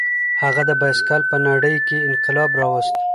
هغه د بایسکل په نړۍ کې انقلاب راوست.